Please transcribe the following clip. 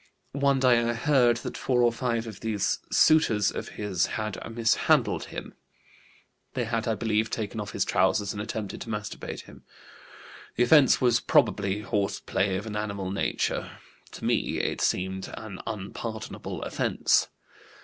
One day I heard that four or five of these suitors of his had mishandled him; they had, I believe, taken off his trousers and attempted to masturbate him. The offense was probably horse play of an animal nature; to me it seemed an unpardonable offense.